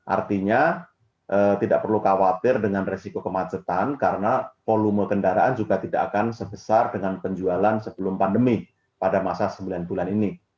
artinya tidak perlu khawatir dengan resiko kemacetan karena volume kendaraan juga tidak akan sebesar dengan penjualan sebelum pandemi pada masa sembilan bulan ini